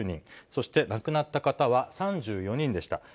そして亡くなった方は３４人でした。